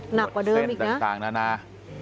หนักกว่าเดิมอีกนะเส้นต่างนานา